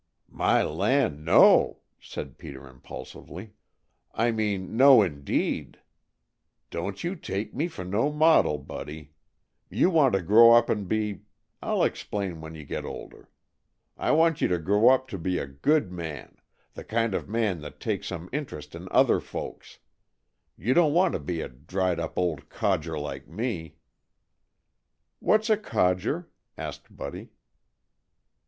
"My land, no!" said Peter impulsively. "I mean, no, indeed. Don't you take me for no model, Buddy. You want to grow up and be I'll explain when you get older. I want you to grow up to be a good man; the kind of man that takes some interest in other folks. You don't want to be a dried up old codger like me." "What's a codger?" asked Buddy.